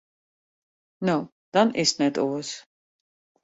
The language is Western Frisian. No, dan is it net oars.